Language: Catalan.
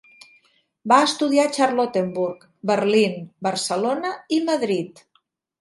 Va estudiar a Charlottenburg (Berlín), Barcelona i Madrid.